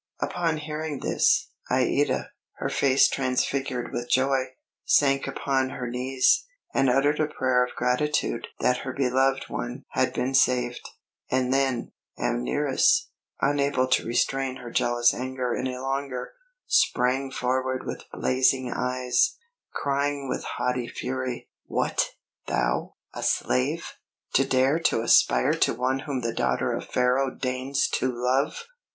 Upon hearing this, Aïda, her face transfigured with joy, sank upon her knees, and uttered a prayer of gratitude that her beloved one had been saved; and then, Amneris, unable to restrain her jealous anger any longer, sprang forward with blazing eyes, crying with haughty fury: "What, thou, a slave, to dare to aspire to one whom the daughter of Pharaoh deigns to love!